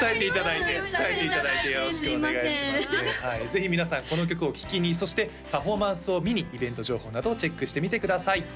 ぜひ皆さんこの曲を聴きにそしてパフォーマンスを見にイベント情報などをチェックしてみてください